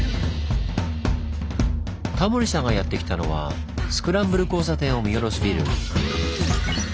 タモリさんがやって来たのはスクランブル交差点を見下ろすビル。